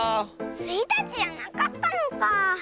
スイたちじゃなかったのか。